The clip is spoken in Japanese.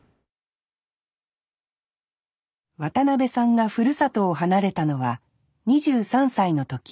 渡辺さんがふるさとを離れたのは２３歳の時。